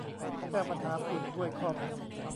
แก้ปัญหาฝุ่นด้วยข้อมูล